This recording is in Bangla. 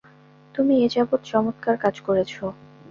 তুমি এ যাবৎ চমৎকার কাজ করেছ।